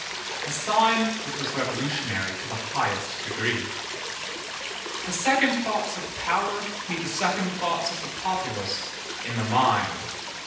A sign which was revolutionary to the highest degree. The second thoughts of power meet the second thoughts of the populace in the mine.